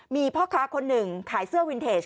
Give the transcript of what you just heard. มีพ่อค้าคนหนึ่งขายเสื้อวินเทจ